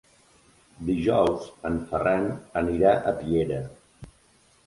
Dijous en Ferran anirà a Piera.